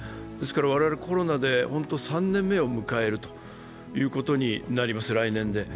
我々コロナで３年目を迎えることになります、来年で。